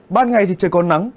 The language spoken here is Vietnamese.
ban ngày thì trời còn nắng